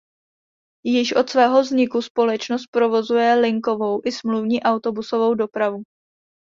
Již od svého vzniku společnost provozuje linkovou i smluvní autobusovou dopravu.